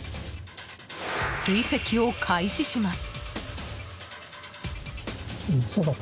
追跡を開始します。